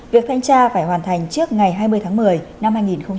việc thanh tra phải hoàn thành trước ngày hai mươi tháng một mươi năm hai nghìn một mươi chín